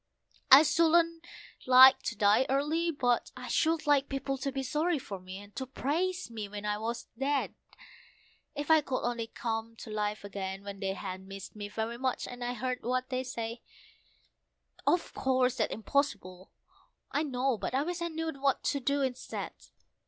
I shouldn't like to die early, but I should like people to be sorry for me, and to praise me when I was dead: If I could only come to life again when they had missed me very much, and I'd heard what they said Of course that's impossible, I know, but I wish I knew what to do instead!